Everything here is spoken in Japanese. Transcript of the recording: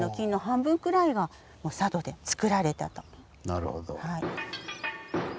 なるほど。